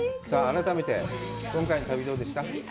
改めて今回の旅どうでした？